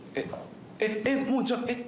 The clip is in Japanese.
えっもうじゃあえっ？